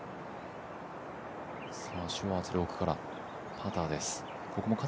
シュワーツェル、奥から、パターです。